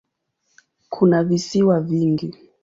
Kuna visiwa vingi.